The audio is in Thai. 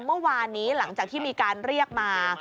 เมื่อวานนี้หลังจากที่มีการเรียกมา